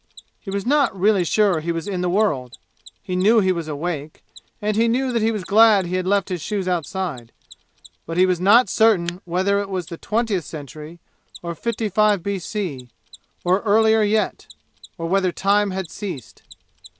He was not really sure he was in the world. He knew he was awake, and he knew he was glad he had left his shoes outside. But he was not certain whether it was the twentieth century, or fifty five B. C., or earlier yet; or whether time had ceased.